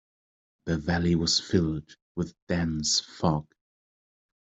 The valley was filled with dense fog.